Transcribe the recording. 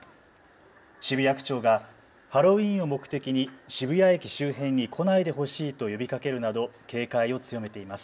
渋谷区長がハロウィーンを目的に渋谷駅周辺に来ないでほしいと呼びかけるなど警戒を強めています。